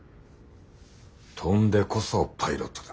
飛んでこそパイロットだ。